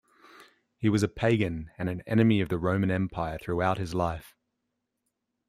He was a pagan and an enemy of the Roman Empire throughout his life.